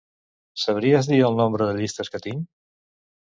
Sabries dir el nombre de llistes que tinc?